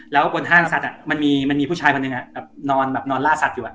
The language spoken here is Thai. แล้วบนห้างสัตว์อ่ะมันมีมันมีผู้ชายคนหนึ่งอ่ะแบบนอนแบบนอนลาสัตว์อยู่อ่ะ